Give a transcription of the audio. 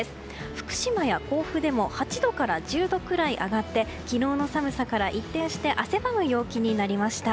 福島や甲府でも８度から１０度くらい上がって昨日の寒さから一転して汗ばむ陽気になりました。